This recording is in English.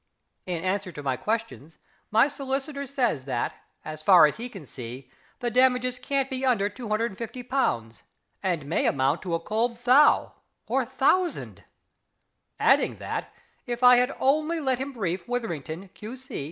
In reply to my questions, my solicitor says that, as far as he can see, the damages can't be under £250, and may amount to a cold "Thou" (or thousand)! Adding that, if I had only let him brief WITHERINGTON, Q.C.